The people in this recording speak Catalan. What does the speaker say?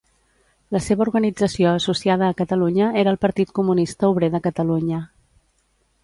La seva organització associada a Catalunya era el Partit Comunista Obrer de Catalunya.